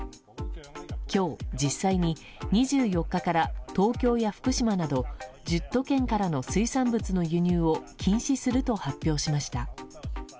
今日、実際に２４日から東京や福島など１０都県からの水産物の輸入を禁止すると発表しました。